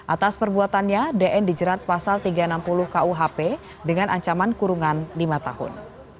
atas perbuatannya dn dijerat pasal tiga ratus enam puluh kuhp dengan ancaman kurungan lima tahun